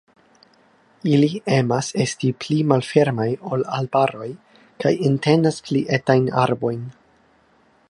Ili emas esti pli malfermaj ol arbaroj kaj entenas pli etajn arbojn.